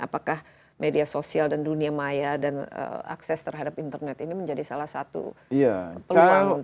apakah media sosial dan dunia maya dan akses terhadap internet ini menjadi salah satu peluang untuk